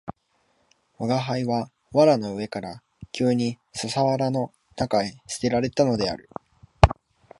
吾輩は藁の上から急に笹原の中へ棄てられたのである